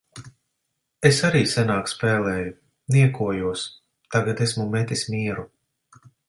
Es arī senāk spēlēju. Niekojos. Tagad esmu metis mieru.